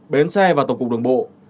bến xe và tổng cục đường bộ